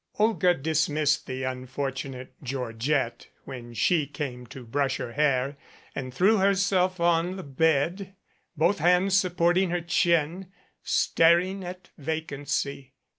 Olga dismissed the unfortunate Georgette when she came to brush her hair and threw herself on the bed, both hands supporting her chin, staring at vacancy.